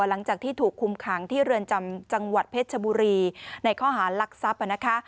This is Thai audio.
หลังจากที่ถูกคุมขังที่เรือนจำจังหวัดเพชรชบุรีในข้อหารลักทรัพย์นะคะ